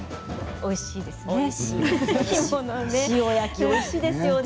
おいしいですよね。